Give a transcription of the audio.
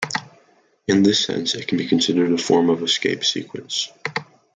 In this sense, it can be considered a form of escape sequence.